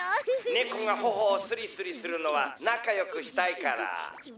ねこがほほをスリスリするのはなかよくしたいから。